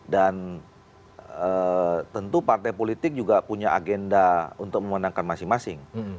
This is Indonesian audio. dan tentu partai politik juga punya agenda untuk memenangkan masing masing